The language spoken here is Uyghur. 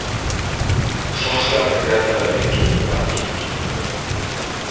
ساقچىلار بىردەمدىلا ئۆيگە كېلىپ ئۇلارنى ئېلىپ كېتىپتۇ.